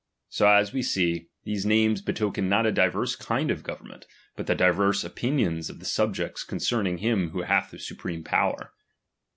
So as we see, these names betoken not a diverse kind of government, I but the diverse opinions of the subjects concerning him who hath the supreme power.